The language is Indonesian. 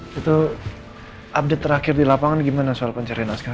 kita mau ke penculik